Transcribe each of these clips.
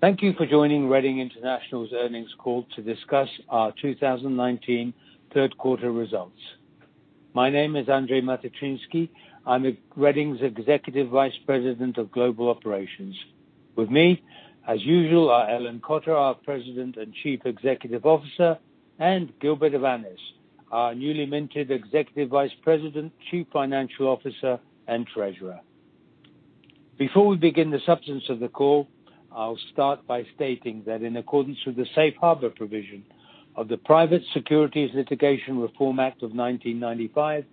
Thank you for joining Reading International's earnings call to discuss our 2019 third quarter results. My name is Andrzej Matyczynski. I am Reading's Executive Vice President of Global Operations. With me, as usual, are Ellen Cotter, our President and Chief Executive Officer, and Gilbert Avanes, our newly minted Executive Vice President, Chief Financial Officer, and Treasurer. Before we begin the substance of the call, I will start by stating that in accordance with the safe harbor provision of the Private Securities Litigation Reform Act of 1995,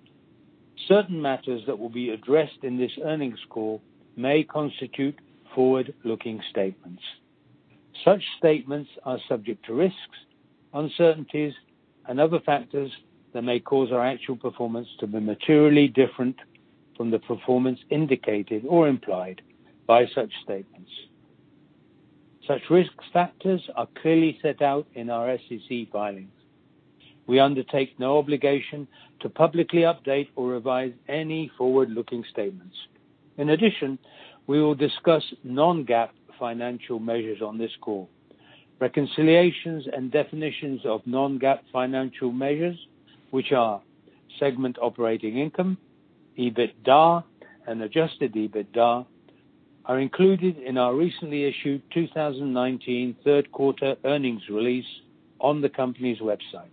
certain matters that will be addressed in this earnings call may constitute forward-looking statements. Such statements are subject to risks, uncertainties, and other factors that may cause our actual performance to be materially different from the performance indicated or implied by such statements. Such risk factors are clearly set out in our SEC filings. We undertake no obligation to publicly update or revise any forward-looking statements. In addition, we will discuss non-GAAP financial measures on this call. Reconciliations and definitions of non-GAAP financial measures, which are segment operating income, EBITDA, and adjusted EBITDA, are included in our recently issued 2019 third quarter earnings release on the company's website.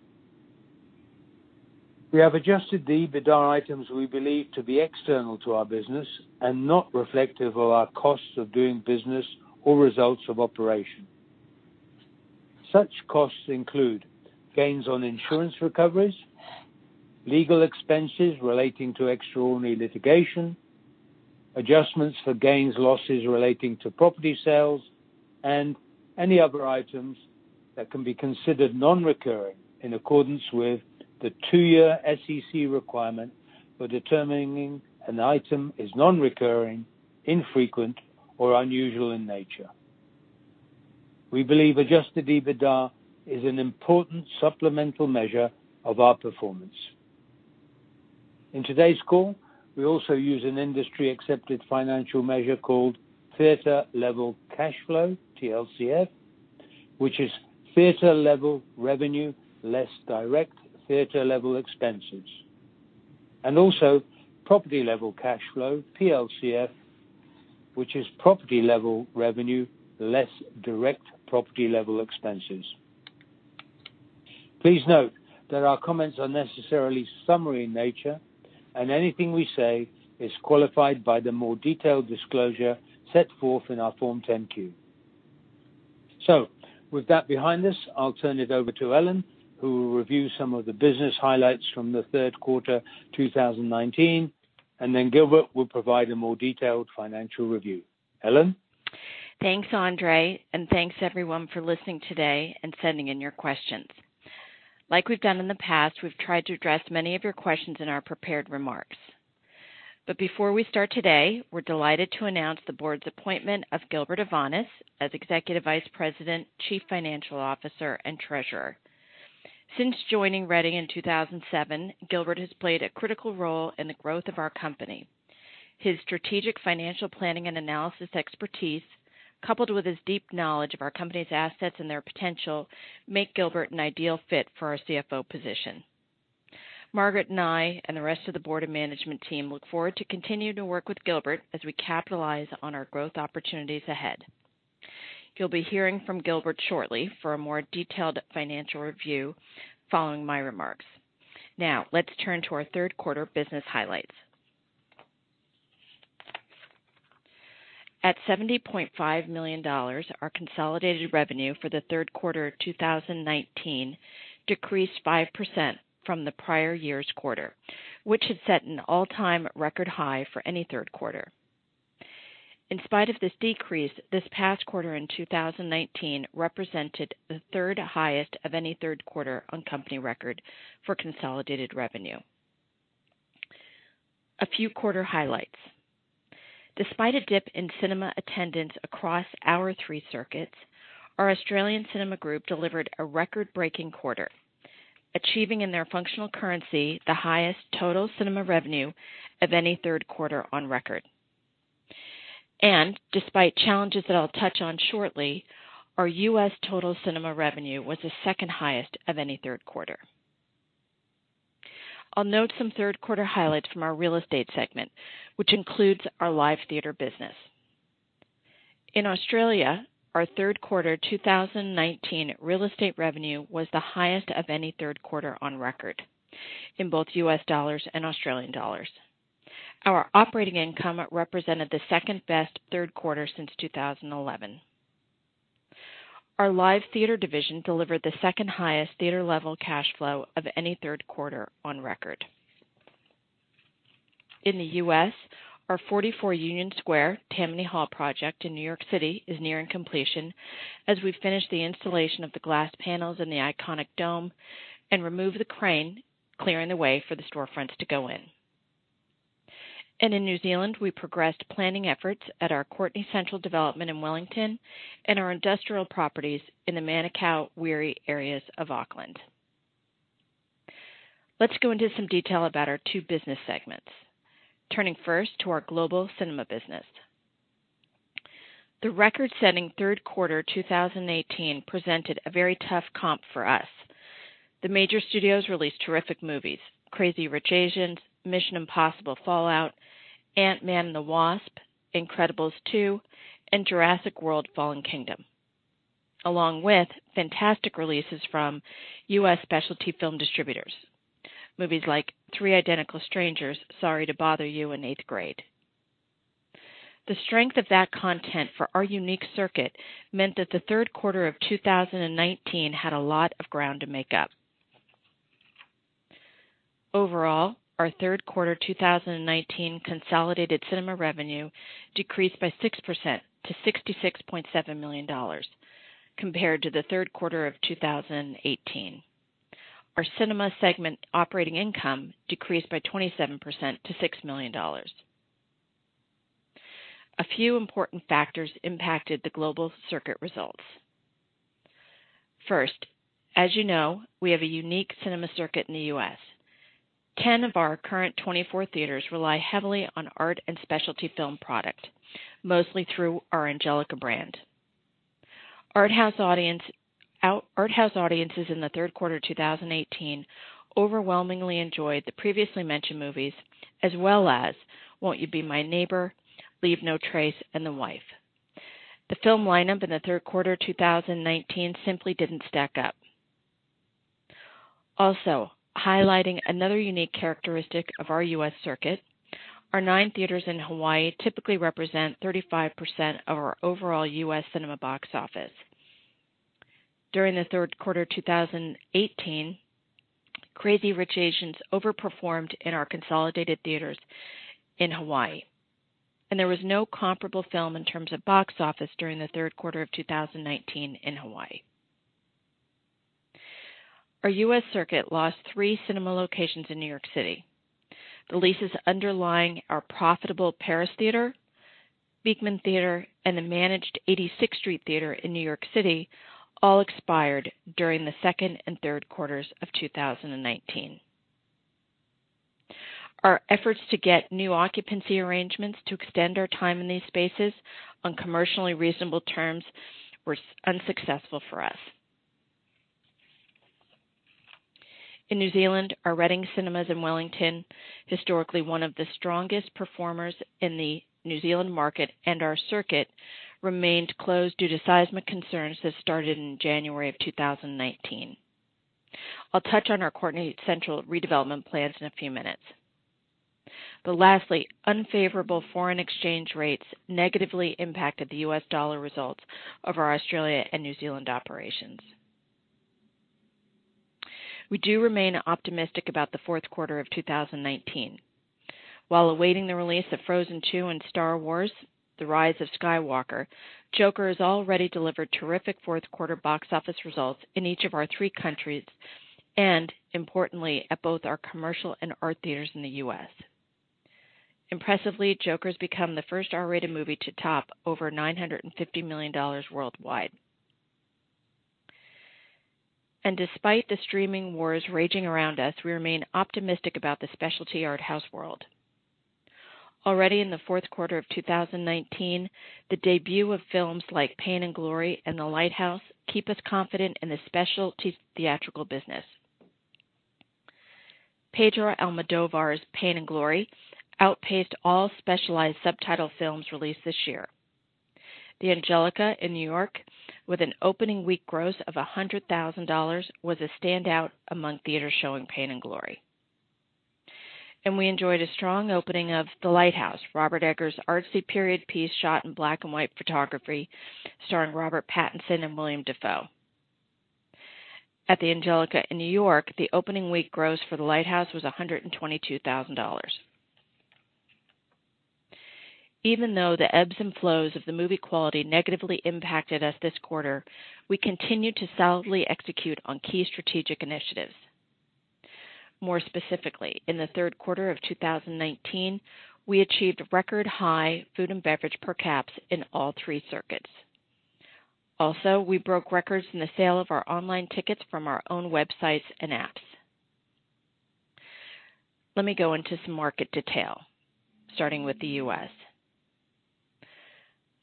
We have adjusted the EBITDA items we believe to be external to our business and not reflective of our costs of doing business or results of operation. Such costs include gains on insurance recoveries, legal expenses relating to extraordinary litigation, adjustments for gains/losses relating to property sales, and any other items that can be considered non-recurring in accordance with the two-year SEC requirement for determining an item is non-recurring, infrequent, or unusual in nature. We believe adjusted EBITDA is an important supplemental measure of our performance. In today's call, we also use an industry-accepted financial measure called theater level cash flow, TLCF, which is theater level revenue less direct theater level expenses, and also property level cash flow, PLCF, which is property level revenue less direct property level expenses. Please note that our comments are necessarily summary in nature, and anything we say is qualified by the more detailed disclosure set forth in our Form 10-Q. With that behind us, I'll turn it over to Ellen, who will review some of the business highlights from the third quarter 2019, and then Gilbert will provide a more detailed financial review. Ellen? Thanks, Andrzej, and thanks everyone for listening today and sending in your questions. Like we've done in the past, we've tried to address many of your questions in our prepared remarks. Before we start today, we're delighted to announce the board's appointment of Gilbert Avanes as Executive Vice President, Chief Financial Officer, and Treasurer. Since joining Reading in 2007, Gilbert has played a critical role in the growth of our company. His strategic financial planning and analysis expertise, coupled with his deep knowledge of our company's assets and their potential, make Gilbert an ideal fit for our CFO position. Margaret and I, and the rest of the board and management team, look forward to continuing to work with Gilbert as we capitalize on our growth opportunities ahead. You'll be hearing from Gilbert shortly for a more detailed financial review following my remarks. Now, let's turn to our third quarter business highlights. At $70.5 million, our consolidated revenue for the third quarter 2019 decreased 5% from the prior year's quarter, which had set an all-time record high for any third quarter. In spite of this decrease, this past quarter in 2019 represented the third highest of any third quarter on company record for consolidated revenue. A few quarter highlights. Despite a dip in cinema attendance across our three circuits, our Australian Cinema Group delivered a record-breaking quarter, achieving in their functional currency the highest total cinema revenue of any third quarter on record. Despite challenges that I'll touch on shortly, our U.S. total cinema revenue was the second highest of any third quarter. I'll note some third quarter highlights from our real estate segment, which includes our live theater business. In Australia, our third quarter 2019 real estate revenue was the highest of any third quarter on record in both U.S. dollars and Australian dollars. Our operating income represented the second-best third quarter since 2011. Our live theater division delivered the second-highest theater level cash flow of any third quarter on record. In the U.S., our 44 Union Square Tammany Hall project in New York City is nearing completion as we finish the installation of the glass panels in the iconic dome and remove the crane, clearing the way for the storefronts to go in. In New Zealand, we progressed planning efforts at our Courtenay Central development in Wellington and our industrial properties in the Manukau/Wiri areas of Auckland. Let's go into some detail about our two business segments. Turning first to our global cinema business. The record-setting third quarter 2018 presented a very tough comp for us. The major studios released terrific movies, "Crazy Rich Asians," "Mission: Impossible – Fallout," "Ant-Man and the Wasp," "Incredibles 2," and "Jurassic World: Fallen Kingdom," along with fantastic releases from U.S. specialty film distributors. Movies like "Three Identical Strangers," "Sorry to Bother You," and "Eighth Grade." The strength of that content for our unique circuit meant that the third quarter of 2019 had a lot of ground to make up. Overall, our third quarter 2019 consolidated cinema revenue decreased by 6% to $66.7 million compared to the third quarter of 2018. Our cinema segment operating income decreased by 27% to $6 million. A few important factors impacted the global circuit results. First, as you know, we have a unique cinema circuit in the U.S. 10 of our current 24 theaters rely heavily on art and specialty film product, mostly through our Angelika brand. Art house audiences in the third quarter 2018 overwhelmingly enjoyed the previously mentioned movies, as well as "Won't You Be My Neighbor?", "Leave No Trace," and "The Wife." The film lineup in the third quarter 2019 simply didn't stack up. Also, highlighting another unique characteristic of our U.S. circuit, our nine theaters in Hawaii typically represent 35% of our overall U.S. cinema box office. During the third quarter 2018, "Crazy Rich Asians" overperformed in our Consolidated Theatres in Hawaii, and there was no comparable film in terms of box office during the third quarter of 2019 in Hawaii. Our U.S. circuit lost three cinema locations in New York City. The leases underlying our profitable Paris Theater, Beekman Theater, and the managed 86th Street Theater in New York City all expired during the second and third quarters of 2019. Our efforts to get new occupancy arrangements to extend our time in these spaces on commercially reasonable terms were unsuccessful for us. In New Zealand, our Reading Cinemas in Wellington, historically one of the strongest performers in the New Zealand market and our circuit, remained closed due to seismic concerns that started in January of 2019. I'll touch on our Courtney Central redevelopment plans in a few minutes. Lastly, unfavorable foreign exchange rates negatively impacted the U.S. dollar results of our Australia and New Zealand operations. We do remain optimistic about the fourth quarter of 2019. While awaiting the release of "Frozen 2" and "Star Wars: The Rise of Skywalker," "Joker" has already delivered terrific fourth quarter box office results in each of our three countries, and importantly, at both our commercial and art theaters in the U.S. Impressively, "Joker's" become the first R-rated movie to top over $950 million worldwide. Despite the streaming wars raging around us, we remain optimistic about the specialty art house world. Already in the fourth quarter of 2019, the debut of films like "Pain and Glory" and "The Lighthouse" keep us confident in the specialty theatrical business. Pedro Almodóvar's "Pain and Glory" outpaced all specialized subtitle films released this year. The Angelika in New York, with an opening week gross of $100,000, was a standout among theaters showing "Pain and Glory." We enjoyed a strong opening of "The Lighthouse," Robert Eggers' artsy period piece shot in black and white photography starring Robert Pattinson and Willem Dafoe. At the Angelika in New York, the opening week gross for "The Lighthouse" was $122,000. Even though the ebbs and flows of the movie quality negatively impacted us this quarter, we continued to solidly execute on key strategic initiatives. More specifically, in the third quarter of 2019, we achieved record high food and beverage per caps in all three circuits. Also, we broke records in the sale of our online tickets from our own websites and apps. Let me go into some market detail, starting with the U.S.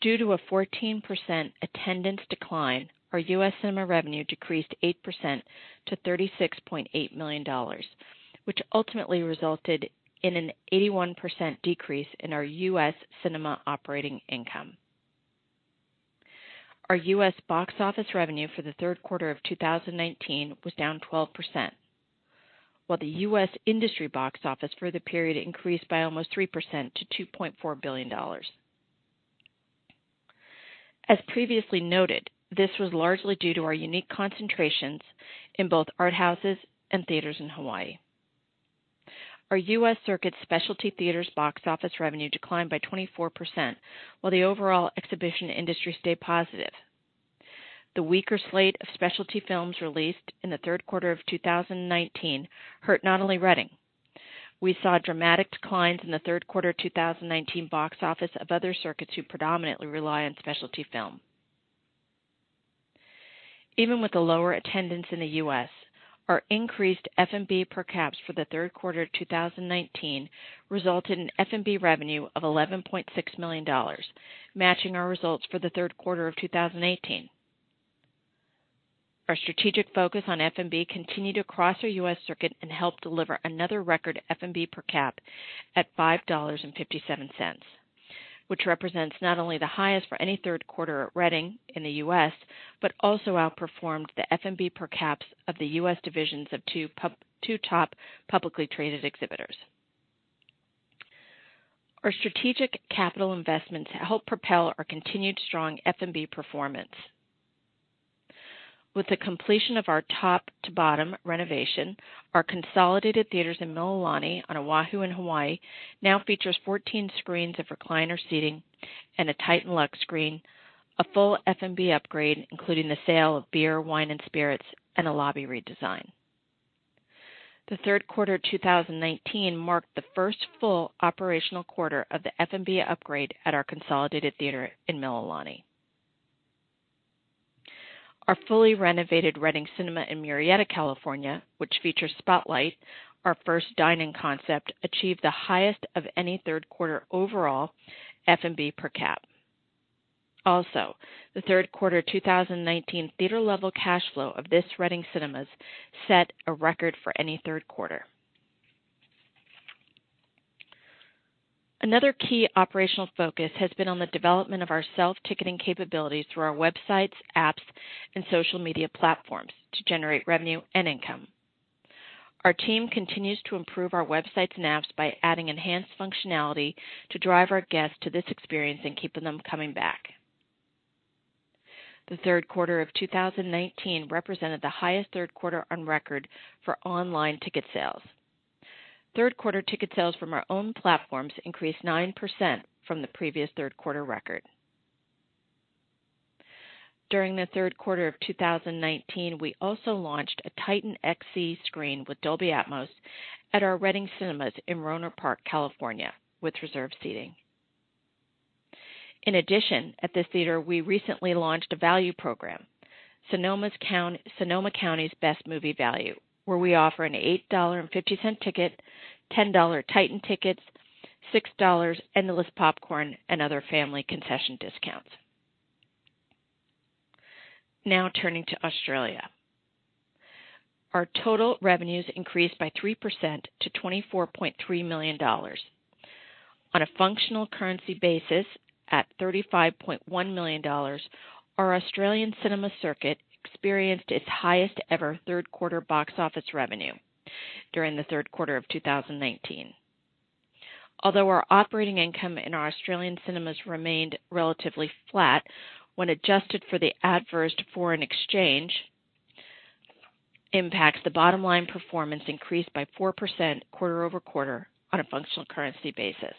Due to a 14% attendance decline, our U.S. cinema revenue decreased 8% to $36.8 million, which ultimately resulted in an 81% decrease in our U.S. cinema operating income. Our U.S. box office revenue for the third quarter of 2019 was down 12%, while the U.S. industry box office for the period increased by almost 3% to $2.4 billion. As previously noted, this was largely due to our unique concentrations in both art houses and theaters in Hawaii. Our U.S. circuit specialty theaters box office revenue declined by 24%, while the overall exhibition industry stayed positive. The weaker slate of specialty films released in the third quarter of 2019 hurt not only Reading. We saw dramatic declines in the third quarter 2019 box office of other circuits who predominantly rely on specialty film. Even with the lower attendance in the U.S., our increased F&B per caps for the third quarter 2019 resulted in F&B revenue of $11.6 million, matching our results for the third quarter of 2018. Our strategic focus on F&B continued across our U.S. circuit and helped deliver another record F&B per cap at $5.57, which represents not only the highest for any third quarter at Reading in the U.S., but also outperformed the F&B per caps of the U.S. divisions of two top publicly traded exhibitors. Our strategic capital investments helped propel our continued strong F&B performance. With the completion of our top-to-bottom renovation, our consolidated theaters in Mililani on Oahu in Hawaii now features 14 screens of recliner seating and a Titan Luxe screen, a full F&B upgrade, including the sale of beer, wine, and spirits, and a lobby redesign. The third quarter 2019 marked the first full operational quarter of the F&B upgrade at our consolidated theater in Mililani. Our fully renovated Reading Cinemas in Murrieta, California, which features Spotlight, our first dine-in concept, achieved the highest of any third quarter overall F&B per cap. The third quarter 2019 theater-level cash flow of this Reading Cinemas set a record for any third quarter. Another key operational focus has been on the development of our self-ticketing capabilities through our websites, apps, and social media platforms to generate revenue and income. Our team continues to improve our websites and apps by adding enhanced functionality to drive our guests to this experience and keeping them coming back. The third quarter of 2019 represented the highest third quarter on record for online ticket sales. Third-quarter ticket sales from our own platforms increased 9% from the previous third-quarter record. During the third quarter of 2019, we also launched a Titan XC screen with Dolby Atmos at our Reading Cinemas in Rohnert Park, California, with reserved seating. In addition, at this theater, we recently launched a value program, Sonoma County's Best Movie Value, where we offer an $8.50 ticket, $10 Titan tickets, $6 endless popcorn, and other family concession discounts. Turning to Australia. Our total revenues increased by 3% to $24.3 million. On a functional currency basis at $35.1 million, our Australian Cinema circuit experienced its highest-ever third-quarter box office revenue during the third quarter of 2019. Although our operating income in our Australian cinemas remained relatively flat, when adjusted for the adverse foreign exchange impact, the bottom-line performance increased by 4% quarter-over-quarter on a functional currency basis.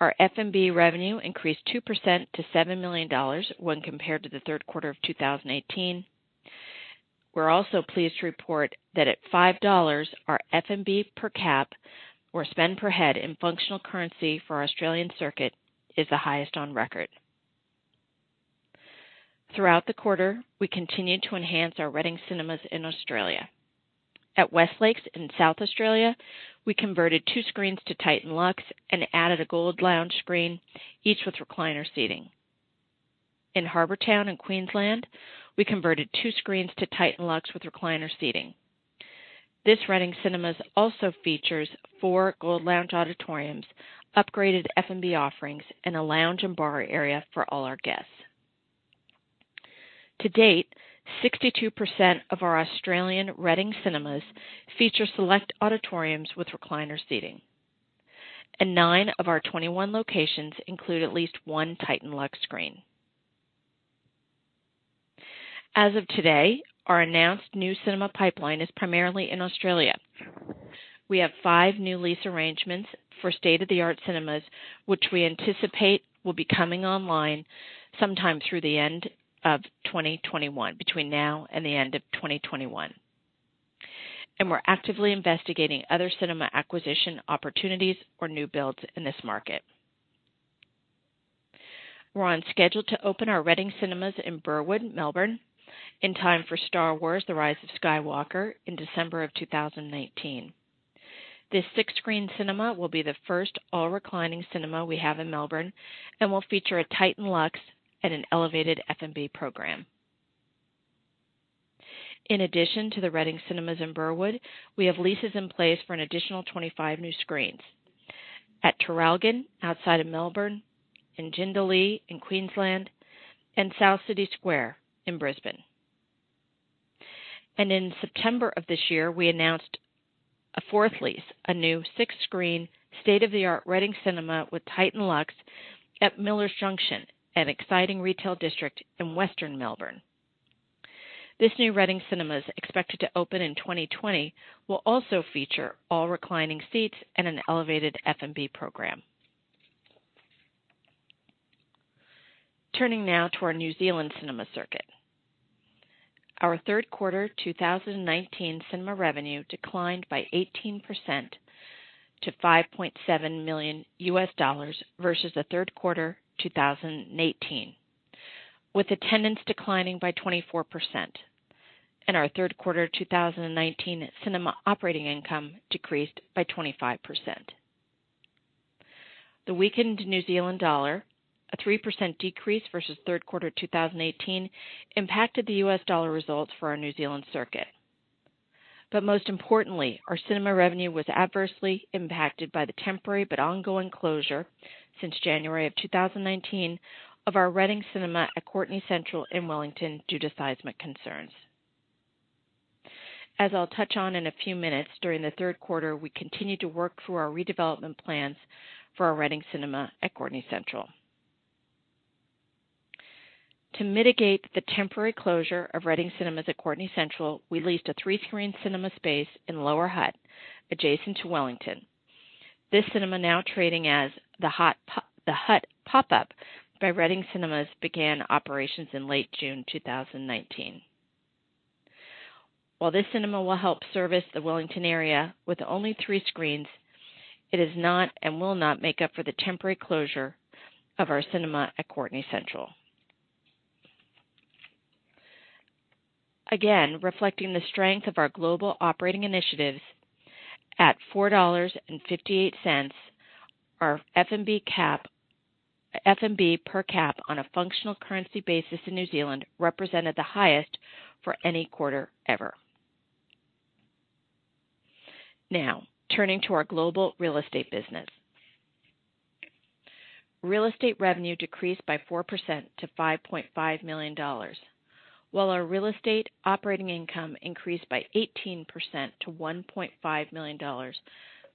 Our F&B revenue increased 2% to $7 million when compared to the third quarter of 2018. We're also pleased to report that at $5, our F&B per cap or spend per head in functional currency for our Australian circuit is the highest on record. Throughout the quarter, we continued to enhance our Reading Cinemas in Australia. At West Lakes in South Australia, we converted two screens to Titan Luxe and added a gold lounge screen, each with recliner seating. In Harbour Town in Queensland, we converted 2 screens to Titan Luxe with recliner seating. This Reading Cinemas also features 4 gold lounge auditoriums, upgraded F&B offerings, and a lounge and bar area for all our guests. To date, 62% of our Australian Reading Cinemas feature select auditoriums with recliner seating, and 9 of our 21 locations include at least 1 Titan Luxe screen. As of today, our announced new cinema pipeline is primarily in Australia. We have 5 new lease arrangements for state-of-the-art cinemas, which we anticipate will be coming online sometime through the end of 2021, between now and the end of 2021. We're actively investigating other cinema acquisition opportunities or new builds in this market. We're on schedule to open our Reading Cinemas in Burwood, Melbourne, in time for "Star Wars: The Rise of Skywalker" in December of 2019. This six-screen cinema will be the first all-reclining cinema we have in Melbourne and will feature a Titan Luxe and an elevated F&B program. In addition to the Reading Cinemas in Burwood, we have leases in place for an additional 25 new screens at Traralgon outside of Melbourne, in Jindalee in Queensland, and South City Square in Brisbane. In September of this year, we announced a fourth lease, a new six-screen, state-of-the-art Reading Cinemas with Titan Luxe at Millers Junction, an exciting retail district in Western Melbourne. This new Reading Cinemas, expected to open in 2020, will also feature all-reclining seats and an elevated F&B program. Turning now to our New Zealand cinema circuit. Our third quarter 2019 cinema revenue declined by 18% to $5.7 million versus the third quarter 2019, with attendance declining by 24%. Our third quarter 2019 cinema operating income decreased by 25%. The weakened New Zealand dollar, a 3% decrease versus third quarter 2018, impacted the US dollar results for our New Zealand circuit. Most importantly, our cinema revenue was adversely impacted by the temporary but ongoing closure since January of 2019 of our Reading Cinema at Courtenay Central in Wellington due to seismic concerns. As I'll touch on in a few minutes, during the third quarter, we continued to work through our redevelopment plans for our Reading Cinema at Courtenay Central. To mitigate the temporary closure of Reading Cinemas at Courtenay Central, we leased a three-screen cinema space in Lower Hutt, adjacent to Wellington. This cinema, now trading as The Hutt Pop-Up by Reading Cinemas, began operations in late June 2019. While this cinema will help service the Wellington area with only three screens, it is not and will not make up for the temporary closure of our cinema at Courtenay Central. Reflecting the strength of our global operating initiatives at 4.58 dollars, our F&B per cap on a functional currency basis in New Zealand represented the highest for any quarter ever. Turning to our global real estate business. Real estate revenue decreased by 4% to $5.5 million, while our real estate operating income increased by 18% to $1.5 million,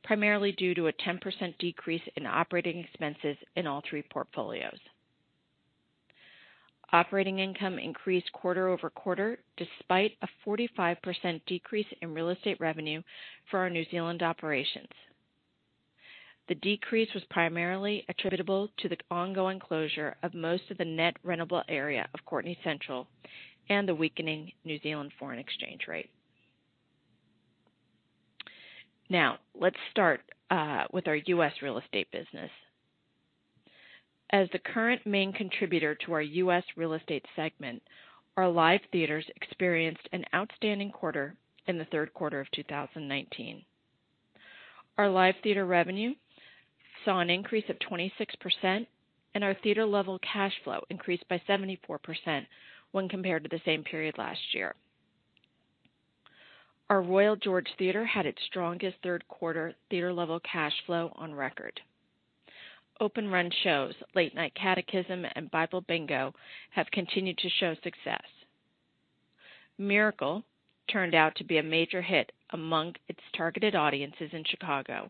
primarily due to a 10% decrease in operating expenses in all three portfolios. Operating income increased quarter-over-quarter, despite a 45% decrease in real estate revenue for our New Zealand operations. The decrease was primarily attributable to the ongoing closure of most of the net rentable area of Courtenay Central and the weakening New Zealand foreign exchange rate. Let's start with our U.S. real estate business. As the current main contributor to our U.S. real estate segment, our live theaters experienced an outstanding quarter in the third quarter of 2019. Our live theater revenue saw an increase of 26%, and our theater-level cash flow increased by 74% when compared to the same period last year. Our Royal George Theatre had its strongest third-quarter theater-level cash flow on record. Open-run shows, "Late Nite Catechism" and "Bible Bingo" have continued to show success. "Miracle" turned out to be a major hit among its targeted audiences in Chicago,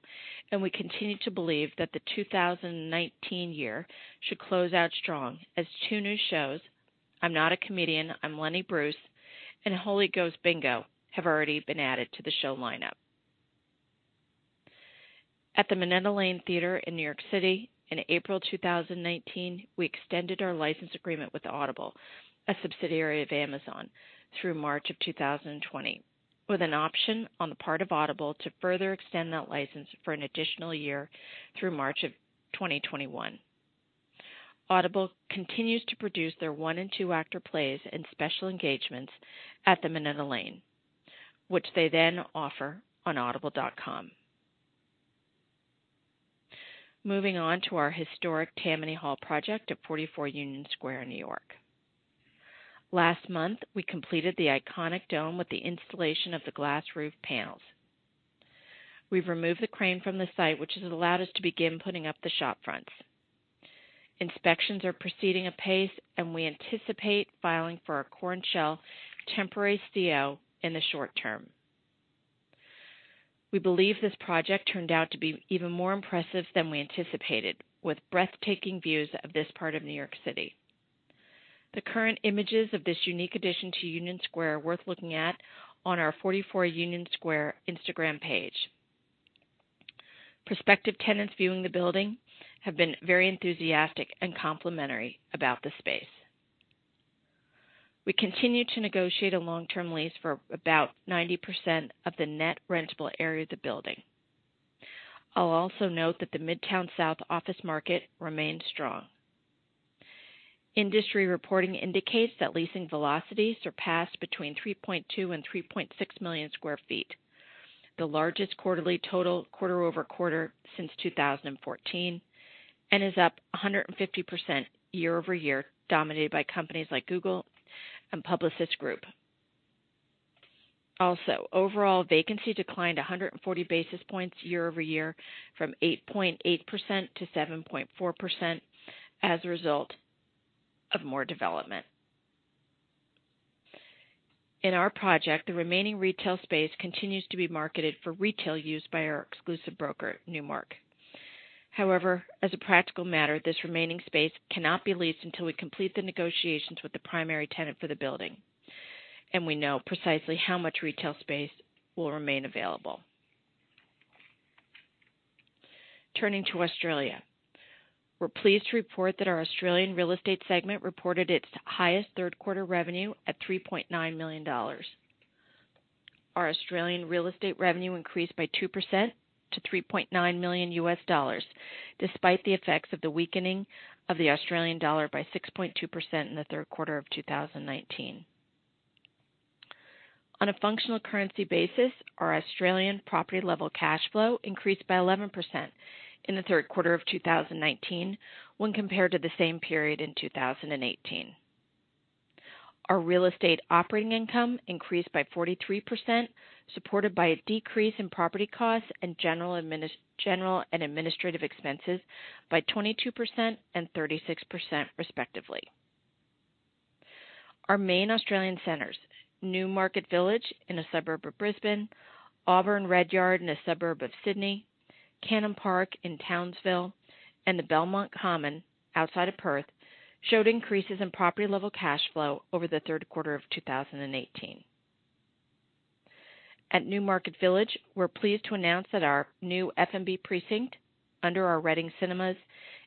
and we continue to believe that the 2019 year should close out strong as two new shows, "I'm Lenny Bruce" and "Holy Ghost Bingo" have already been added to the show lineup. At the Minetta Lane Theatre in New York City in April 2019, we extended our license agreement with Audible, a subsidiary of Amazon, through March of 2020, with an option on the part of Audible to further extend that license for an additional year through March of 2021. Audible continues to produce their one- and two-actor plays and special engagements at the Minetta Lane, which they then offer on audible.com. Moving on to our historic Tammany Hall project at 44 Union Square, New York. Last month, we completed the iconic dome with the installation of the glass roof panels. We've removed the crane from the site, which has allowed us to begin putting up the shop fronts. Inspections are proceeding apace, and we anticipate filing for our core and shell temporary CO in the short term. We believe this project turned out to be even more impressive than we anticipated, with breathtaking views of this part of New York City. The current images of this unique addition to Union Square are worth looking at on our 44 Union Square Instagram page. Prospective tenants viewing the building have been very enthusiastic and complimentary about the space. We continue to negotiate a long-term lease for about 90% of the net rentable area of the building. I'll also note that the Midtown South office market remains strong. Industry reporting indicates that leasing velocity surpassed between 3.2 and 3.6 million square feet, the largest quarterly total quarter-over-quarter since 2014, and is up 150% year-over-year, dominated by companies like Google and Publicis Groupe. Overall vacancy declined 140 basis points year-over-year from 8.8% to 7.4% as a result of more development. In our project, the remaining retail space continues to be marketed for retail use by our exclusive broker, Newmark. As a practical matter, this remaining space cannot be leased until we complete the negotiations with the primary tenant for the building and we know precisely how much retail space will remain available. Turning to Australia. We are pleased to report that our Australian real estate segment reported its highest third quarter revenue at $3.9 million. Our Australian real estate revenue increased by 2% to $3.9 million U.S., despite the effects of the weakening of the Australian dollar by 6.2% in the third quarter of 2019. On a functional currency basis, our Australian property level cash flow increased by 11% in the third quarter of 2019 when compared to the same period in 2018. Our real estate operating income increased by 43%, supported by a decrease in property costs and general and administrative expenses by 22% and 36% respectively. Our main Australian centers, Newmarket Village in a suburb of Brisbane, Auburn Redyard in a suburb of Sydney, Cannon Park in Townsville, and The Belmont Common outside of Perth, showed increases in property level cash flow over the third quarter of 2018. At Newmarket Village, we're pleased to announce that our new F&B precinct under our Reading Cinemas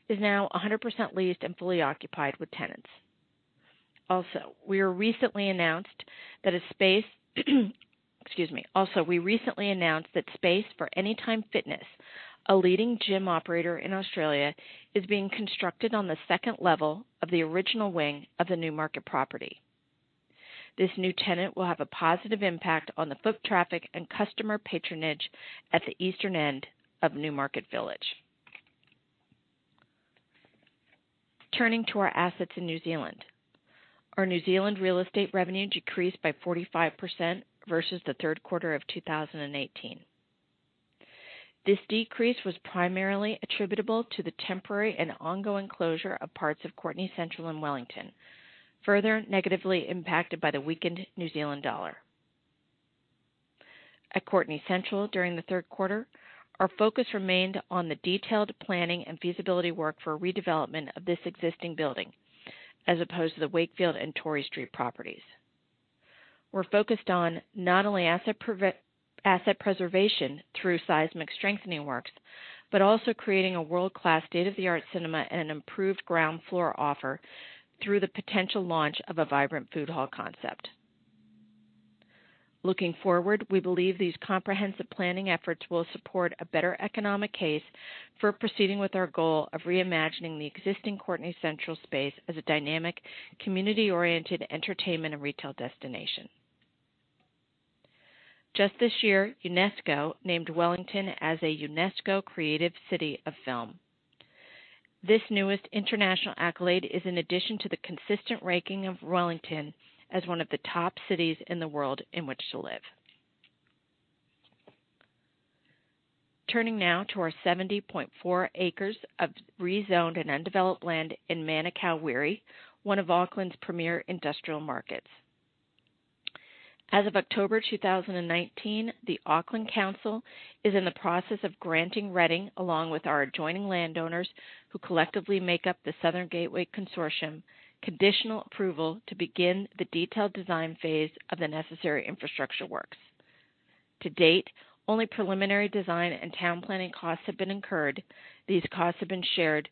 is now 100% leased and fully occupied with tenants. We recently announced that space for Anytime Fitness, a leading gym operator in Australia, is being constructed on the 2 level of the original wing of the Newmarket property. This new tenant will have a positive impact on the foot traffic and customer patronage at the eastern end of Newmarket Village. Turning to our assets in New Zealand. Our New Zealand real estate revenue decreased by 45% versus the third quarter of 2018. This decrease was primarily attributable to the temporary and ongoing closure of parts of Courtenay Central and Wellington, further negatively impacted by the weakened New Zealand dollar. At Courtenay Central during the third quarter, our focus remained on the detailed planning and feasibility work for redevelopment of this existing building, as opposed to the Wakefield and Tory Street properties. We're focused on not only asset preservation through seismic strengthening works, but also creating a world-class state-of-the-art cinema and an improved ground floor offer through the potential launch of a vibrant food hall concept. Looking forward, we believe these comprehensive planning efforts will support a better economic case for proceeding with our goal of reimagining the existing Courtenay Central space as a dynamic, community-oriented entertainment and retail destination. Just this year, UNESCO named Wellington as a UNESCO Creative City of Film. This newest international accolade is an addition to the consistent ranking of Wellington as one of the top cities in the world in which to live. Turning now to our 70.4 acres of rezoned and undeveloped land in Manukau Wiri, one of Auckland's premier industrial markets. As of October 2019, the Auckland Council is in the process of granting Reading, along with our adjoining landowners, who collectively make up the Southern Gateway Consortium, conditional approval to begin the detailed design phase of the necessary infrastructure works. To date, only preliminary design and town planning costs have been incurred. These costs have been shared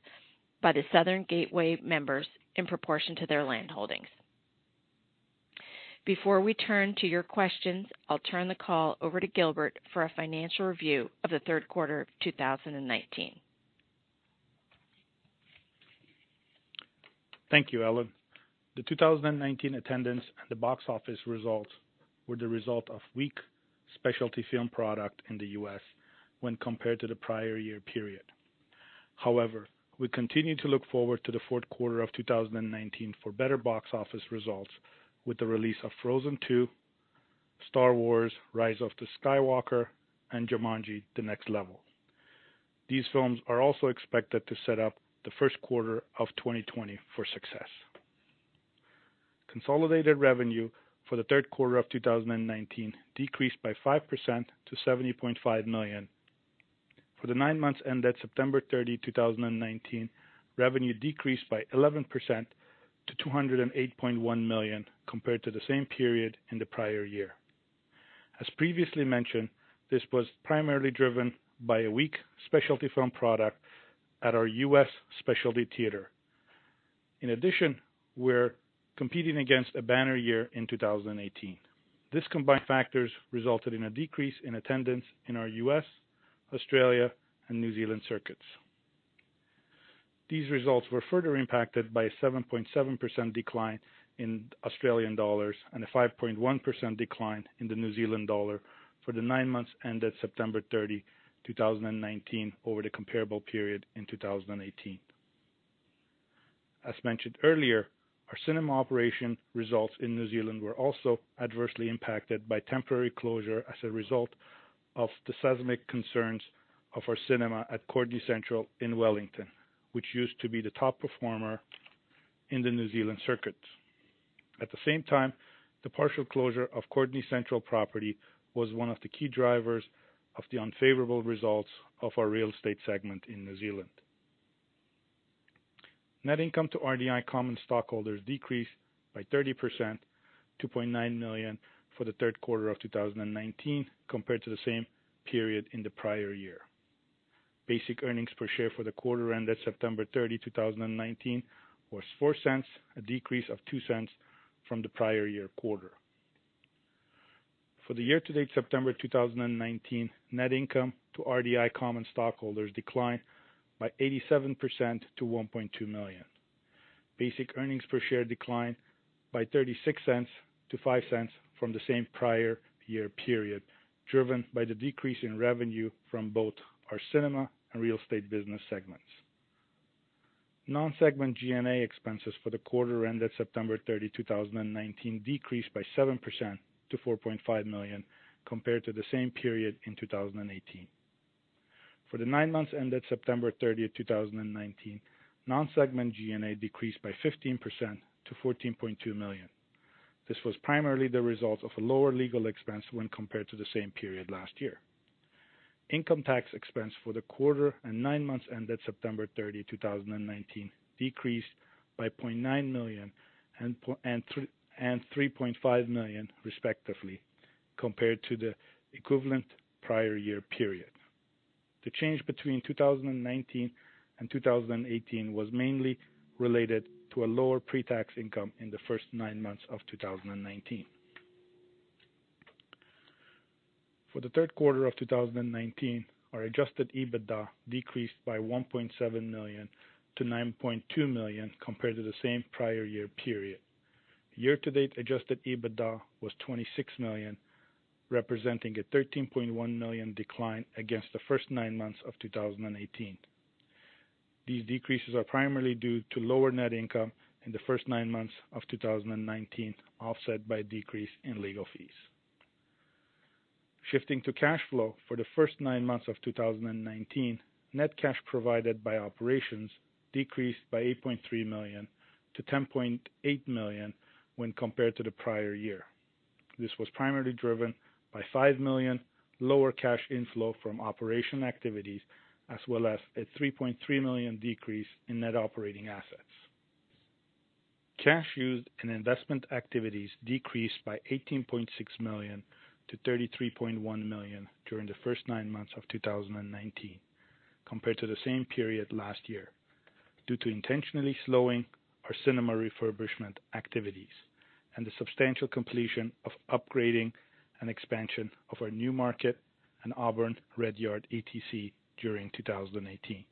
by the Southern Gateway members in proportion to their land holdings. Before we turn to your questions, I'll turn the call over to Gilbert for a financial review of the third quarter of 2019. Thank you, Ellen. The 2019 attendance and the box office results were the result of weak specialty film product in the U.S. when compared to the prior year period. We continue to look forward to the fourth quarter of 2019 for better box office results with the release of Frozen 2, Star Wars: The Rise of Skywalker, and Jumanji: The Next Level. These films are also expected to set up the first quarter of 2020 for success. Consolidated revenue for the third quarter of 2019 decreased by 5% to $70.5 million. For the nine months ended September 30, 2019, revenue decreased by 11% to $208.1 million compared to the same period in the prior year. As previously mentioned, this was primarily driven by a weak specialty film product at our U.S. specialty theater. We're competing against a banner year in 2018. These combined factors resulted in a decrease in attendance in our U.S., Australia, and New Zealand circuits. These results were further impacted by a 7.7% decline in Australian dollars and a 5.1% decline in the New Zealand dollar for the nine months ended September 30, 2019, over the comparable period in 2018. As mentioned earlier, our cinema operation results in New Zealand were also adversely impacted by temporary closure as a result of the seismic concerns of our cinema at Courtenay Central in Wellington, which used to be the top performer in the New Zealand circuit. At the same time, the partial closure of Courtenay Central property was one of the key drivers of the unfavorable results of our real estate segment in New Zealand. Net income to RDI common stockholders decreased by 30%, $2.9 million for the third quarter of 2019 compared to the same period in the prior year. Basic earnings per share for the quarter ended September 30, 2019, was $0.04, a decrease of $0.02 from the prior year quarter. For the year to date, September 2019, net income to RDI common stockholders declined by 87% to $1.2 million. Basic earnings per share declined by $0.36 to $0.05 from the same prior year period, driven by the decrease in revenue from both our cinema and real estate business segments. Non-segment G&A expenses for the quarter ended September 30, 2019, decreased by 7% to $4.5 million, compared to the same period in 2018. For the nine months ended September 30, 2019, non-segment G&A decreased by 15% to $14.2 million. This was primarily the result of a lower legal expense when compared to the same period last year. Income tax expense for the quarter and nine months ended September 30, 2019, decreased by $0.9 million and $3.5 million, respectively, compared to the equivalent prior year period. The change between 2019 and 2018 was mainly related to a lower pre-tax income in the first nine months of 2019. For the third quarter of 2019, our adjusted EBITDA decreased by $1.7 million to $9.2 million compared to the same prior year period. Year-to-date adjusted EBITDA was $26 million, representing a $13.1 million decline against the first nine months of 2018. These decreases are primarily due to lower net income in the first nine months of 2019, offset by decrease in legal fees. Shifting to cash flow for the first nine months of 2019, net cash provided by operations decreased by $8.3 million to $10.8 million when compared to the prior year. This was primarily driven by $5 million lower cash inflow from operation activities, as well as a $3.3 million decrease in net operating assets. Cash used in investment activities decreased by $18.6 million to $33.1 million during the first nine months of 2019 compared to the same period last year due to intentionally slowing our cinema refurbishment activities and the substantial completion of upgrading and expansion of our Newmarket and Auburn Redyard ETC during 2018.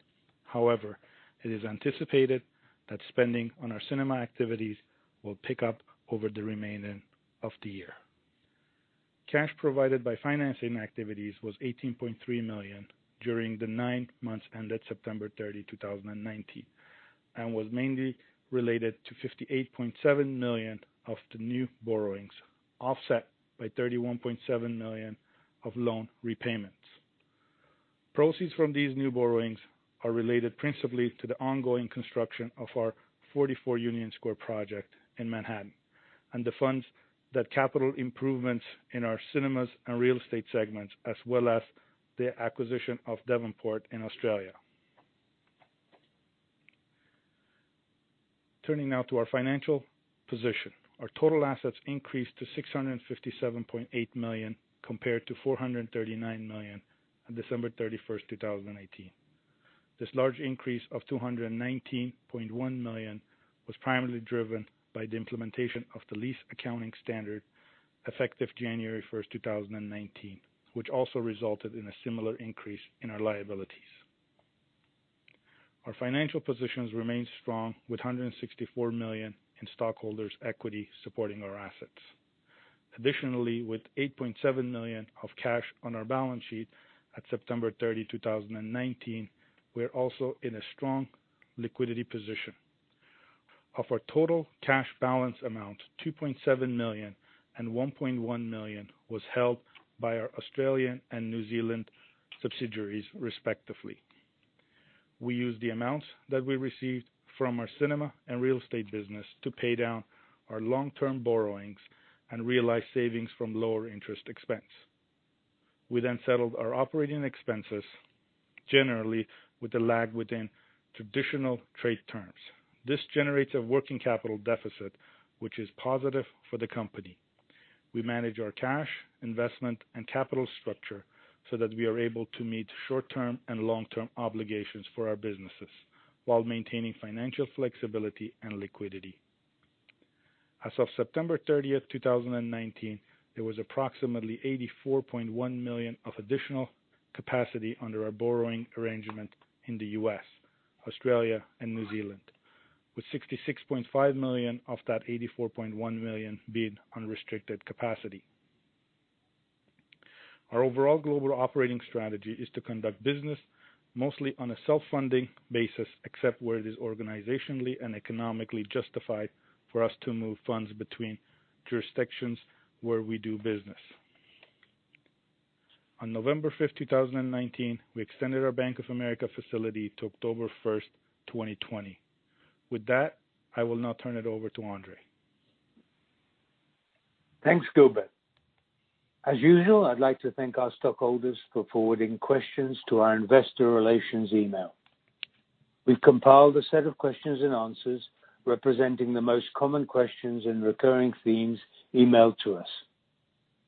It is anticipated that spending on our cinema activities will pick up over the remainder of the year. Cash provided by financing activities was $18.3 million during the nine months ended September 30, 2019, and was mainly related to $58.7 million of the new borrowings, offset by $31.7 million of loan repayments. Proceeds from these new borrowings are related principally to the ongoing construction of our 44 Union Square project in Manhattan and the funds that capital improvements in our cinemas and real estate segments, as well as the acquisition of Devonport in Australia. Turning now to our financial position. Our total assets increased to $657.8 million compared to $439 million on December 31st, 2018. This large increase of $219.1 million was primarily driven by the implementation of the lease accounting standard effective January 1st, 2019, which also resulted in a similar increase in our liabilities. Our financial positions remain strong, with $164 million in stockholders' equity supporting our assets. Additionally, with $8.7 million of cash on our balance sheet at September 30, 2019, we're also in a strong liquidity position. Of our total cash balance amount, $2.7 million and $1.1 million was held by our Australian and New Zealand subsidiaries, respectively. We used the amounts that we received from our cinema and real estate business to pay down our long-term borrowings and realize savings from lower interest expense. We settled our operating expenses generally with a lag within traditional trade terms. This generates a working capital deficit, which is positive for the company. We manage our cash, investment, and capital structure so that we are able to meet short-term and long-term obligations for our businesses while maintaining financial flexibility and liquidity. As of September 30th, 2019, there was approximately $84.1 million of additional capacity under our borrowing arrangement in the U.S., Australia, and New Zealand, with $66.5 million of that $84.1 million being unrestricted capacity. Our overall global operating strategy is to conduct business mostly on a self-funding basis, except where it is organizationally and economically justified for us to move funds between jurisdictions where we do business. On November 5th, 2019, we extended our Bank of America facility to October 1st, 2020. With that, I will now turn it over to Andrzej. Thanks, Gilbert. As usual, I'd like to thank our stockholders for forwarding questions to our investor relations email. We've compiled a set of questions and answers representing the most common questions and recurring themes emailed to us.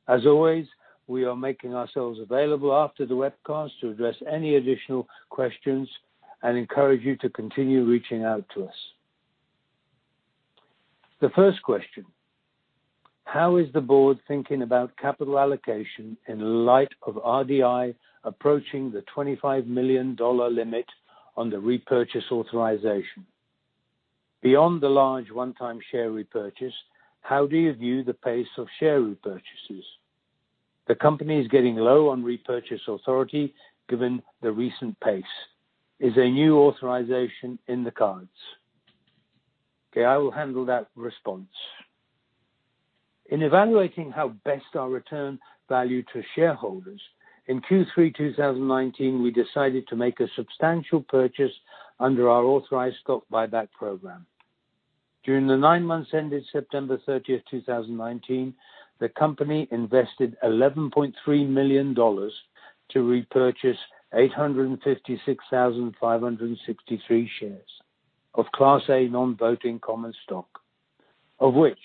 As always, we are making ourselves available after the webcast to address any additional questions and encourage you to continue reaching out to us. The first question: How is the board thinking about capital allocation in light of RDI approaching the $25 million limit on the repurchase authorization? Beyond the large one-time share repurchase, how do you view the pace of share repurchases? The company is getting low on repurchase authority given the recent pace. Is a new authorization in the cards? I will handle that response. In evaluating how best our return value to shareholders, in Q3 2019, we decided to make a substantial purchase under our authorized stock buyback program. During the nine months ended September 30th, 2019, the company invested $11.3 million to repurchase 856,563 shares of Class A non-voting common stock, of which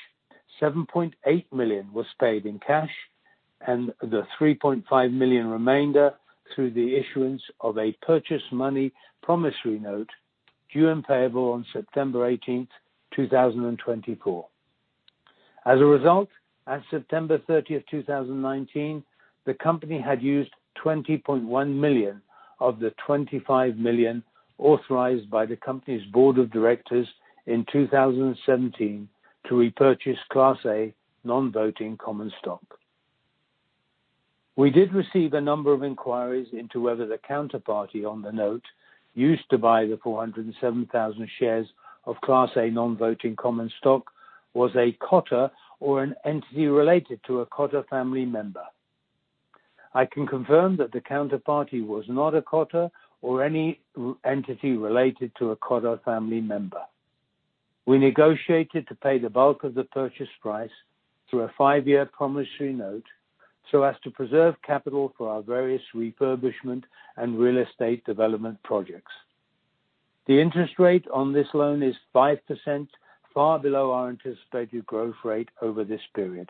$7.8 million was paid in cash and the $3.5 million remainder through the issuance of a purchase money promissory note due and payable on September 18th, 2024. As a result, as of September 30th, 2019, the company had used $20.1 million of the $25 million authorized by the company's board of directors in 2017 to repurchase Class A non-voting common stock. We did receive a number of inquiries into whether the counterparty on the note used to buy the 407,000 shares of Class A non-voting common stock was a Cotter or an entity related to a Cotter family member. I can confirm that the counterparty was not a Cotter or any entity related to a Cotter family member. We negotiated to pay the bulk of the purchase price through a five-year promissory note so as to preserve capital for our various refurbishment and real estate development projects. The interest rate on this loan is 5%, far below our anticipated growth rate over this period.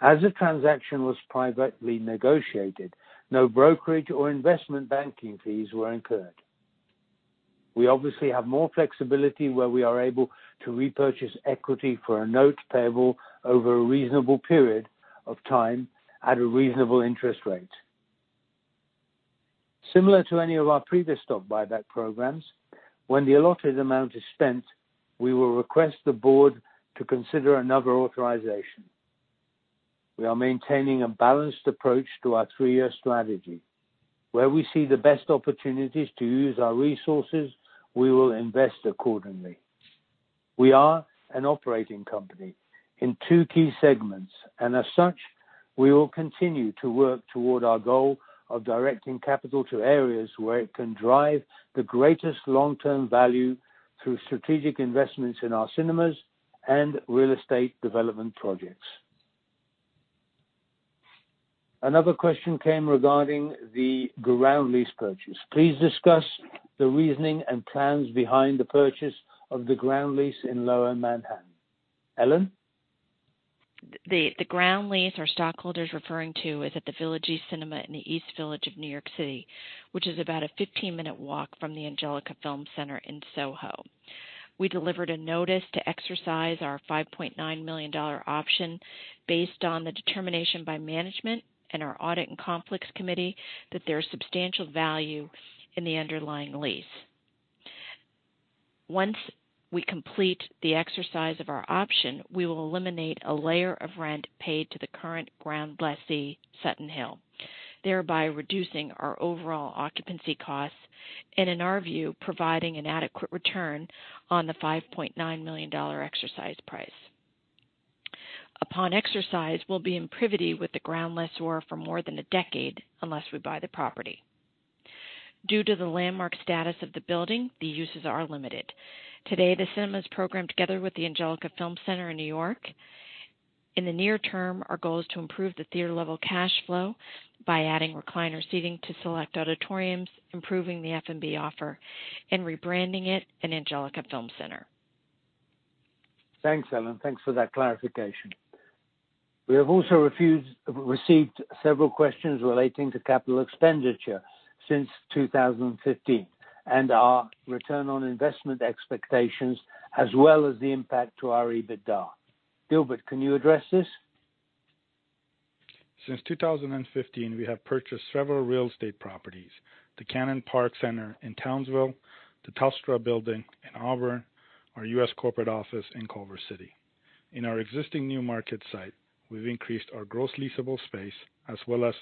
As the transaction was privately negotiated, no brokerage or investment banking fees were incurred. We obviously have more flexibility where we are able to repurchase equity for a note payable over a reasonable period of time at a reasonable interest rate. Similar to any of our previous stock buyback programs, when the allotted amount is spent, we will request the board to consider another authorization. We are maintaining a balanced approach to our three-year strategy. Where we see the best opportunities to use our resources, we will invest accordingly. We are an operating company in two key segments, and as such, we will continue to work toward our goal of directing capital to areas where it can drive the greatest long-term value through strategic investments in our cinemas and real estate development projects. Another question came regarding the ground lease purchase. Please discuss the reasoning and plans behind the purchase of the ground lease in Lower Manhattan. Ellen? The ground lease our stockholder's referring to is at the Village East Cinema in the East Village of New York City, which is about a 15-minute walk from the Angelika Film Center in SoHo. We delivered a notice to exercise our $5.9 million option based on the determination by management and our audit and conflicts committee that there's substantial value in the underlying lease. Once we complete the exercise of our option, we will eliminate a layer of rent paid to the current ground lessee, Sutton Hill, thereby reducing our overall occupancy costs and, in our view, providing an adequate return on the $5.9 million exercise price. Upon exercise, we'll be in privity with the ground lessor for more than a decade unless we buy the property. Due to the landmark status of the building, the uses are limited. Today, the cinema is programmed together with the Angelika Film Center in New York. In the near term, our goal is to improve the theater-level cash flow by adding recliner seating to select auditoriums, improving the F&B offer, and rebranding it an Angelika Film Center. Thanks, Ellen. Thanks for that clarification. We have also received several questions relating to capital expenditure since 2015 and our return on investment expectations, as well as the impact to our EBITDA. Gilbert, can you address this? Since 2015, we have purchased several real estate properties. The Cannon Park Center in Townsville, the Telstra Building in Auburn, our U.S. corporate office in Culver City. In our existing Newmarket site, we've increased our gross leasable space, as well as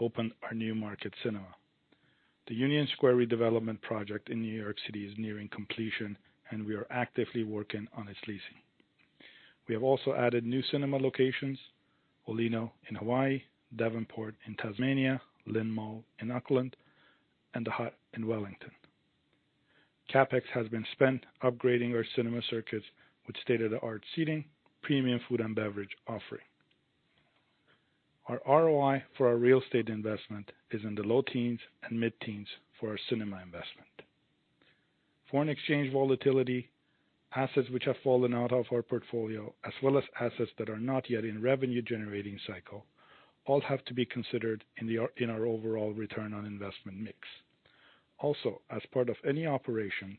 opened our Newmarket Cinema. The Union Square redevelopment project in New York City is nearing completion, and we are actively working on its leasing. We have also added new cinema locations, Olino in Hawaii, Devonport in Tasmania, LynnMall in Auckland, and The Hutt in Wellington. CapEx has been spent upgrading our cinema circuits with state-of-the-art seating, premium food and beverage offering. Our ROI for our real estate investment is in the low teens and mid-teens for our cinema investment. Foreign exchange volatility, assets which have fallen out of our portfolio, as well as assets that are not yet in revenue-generating cycle, all have to be considered in our overall return on investment mix. Also, as part of any operation,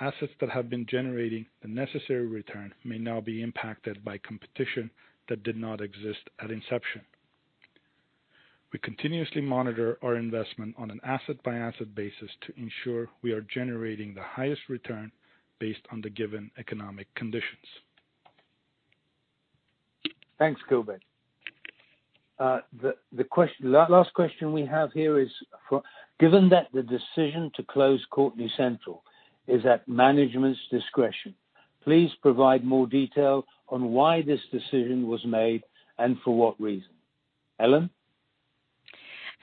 assets that have been generating the necessary return may now be impacted by competition that did not exist at inception. We continuously monitor our investment on an asset-by-asset basis to ensure we are generating the highest return based on the given economic conditions. Thanks, Gilbert. The last question we have here is: given that the decision to close Courtenay Central is at management's discretion, please provide more detail on why this decision was made and for what reason. Ellen?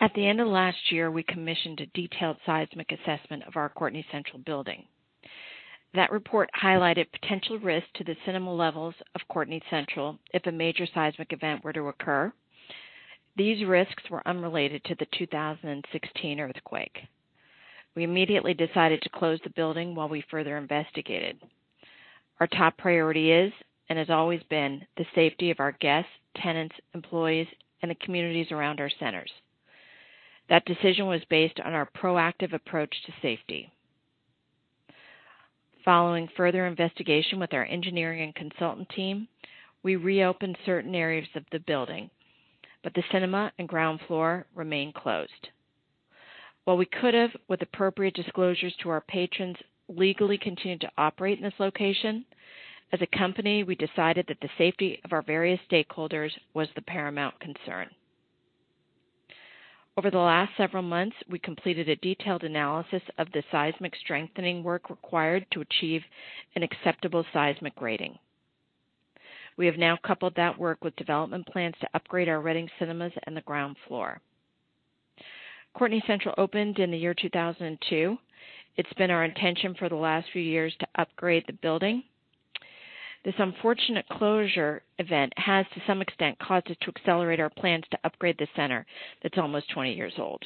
At the end of last year, we commissioned a detailed seismic assessment of our Courtenay Central building. That report highlighted potential risk to the cinema levels of Courtenay Central if a major seismic event were to occur. These risks were unrelated to the 2016 earthquake. We immediately decided to close the building while we further investigated. Our top priority is, and has always been, the safety of our guests, tenants, employees, and the communities around our centers. That decision was based on our proactive approach to safety. Following further investigation with our engineering and consultant team, we reopened certain areas of the building, but the cinema and ground floor remain closed. While we could have, with appropriate disclosures to our patrons, legally continued to operate in this location, as a company, we decided that the safety of our various stakeholders was the paramount concern. Over the last several months, we completed a detailed analysis of the seismic strengthening work required to achieve an acceptable seismic rating. We have now coupled that work with development plans to upgrade our Reading Cinemas and the ground floor. Courtenay Central opened in the year 2002. It's been our intention for the last few years to upgrade the building. This unfortunate closure event has, to some extent, caused us to accelerate our plans to upgrade the center, that's almost 20 years old.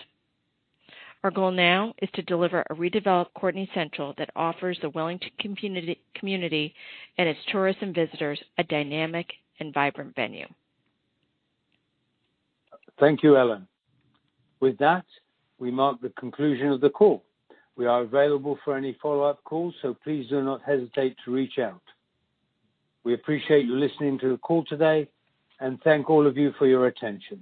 Our goal now is to deliver a redeveloped Courtenay Central that offers the Wellington community and its tourism visitors a dynamic and vibrant venue. Thank you, Ellen. With that, we mark the conclusion of the call. We are available for any follow-up calls. Please do not hesitate to reach out. We appreciate you listening to the call today and thank all of you for your attention.